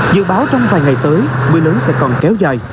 dự báo trong vài ngày tới mưa lớn sẽ còn kéo dài